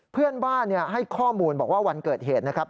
เพื่อนบ้านให้ข้อมูลบอกว่าวันเกิดเหตุนะครับ